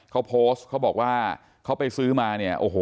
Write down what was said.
เขาโพสต์เขาบอกว่าเขาไปซื้อมา